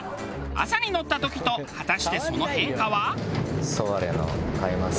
朝に乗った時と果たしてその変化は？